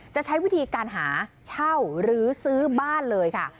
จะใช้วิธีการหาเช่าหรือซื้อบ้านเลยค่ะ